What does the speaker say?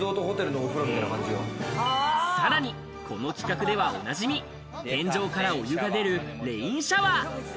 さらに、この企画ではおなじみ、天井からお湯が出るレインシャワー。